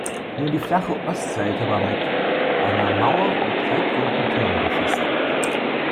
Nur die flache Ostseite war mit einer Mauer und halbrunden Türmen befestigt.